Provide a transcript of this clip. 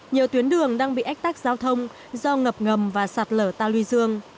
nhiều tuyến đường đang bị ách tắc giao thông do ngập ngầm và sạt lở ta luy dương